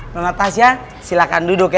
noh natasya silahkan duduk ya